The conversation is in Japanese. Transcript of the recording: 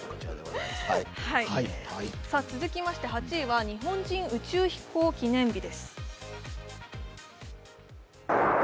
続きまして８位は、日本人宇宙飛行記念日です。